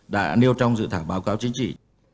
đã nêu trong dự thảo báo cáo chính trị